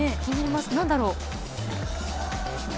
何だろう。